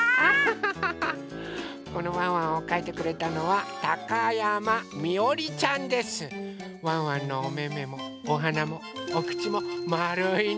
このワンワンをかいてくれたのはワンワンのおめめもおはなもおくちもまるいね。